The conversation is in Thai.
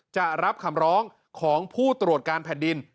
จะรับคำร้องของผู้ตรวจการแผ่นดิน